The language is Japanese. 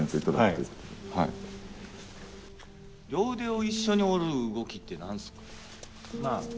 両腕を一緒に折る動きって何すか？